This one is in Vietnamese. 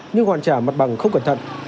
nhưng hoàn trả mặt bằng không cẩn thận